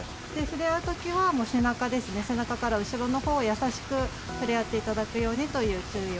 ふれあうときは、背中ですね、背中から後ろのほうを優しくふれあっていただくようにという注意